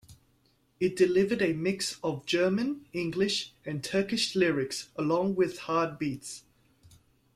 It delivered a mix of German, English, and Turkish lyrics along with hard beats.